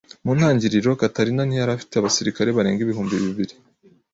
Mu ntangiriro, Catalina ntiyari ifite abasirikare barenga ibihumbi bibiri.